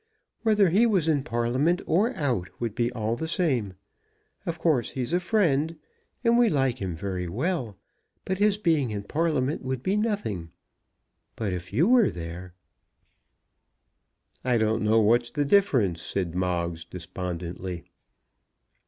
Whether he was in Parliament or out would be all the same. Of course he's a friend, and we like him very well; but his being in Parliament would be nothing. But if you were there !" "I don't know what's the difference," said Moggs despondently.